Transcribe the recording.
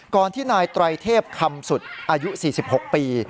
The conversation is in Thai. ก่อนที่นายตรายเทพคำสุดอายุ๔๖ปี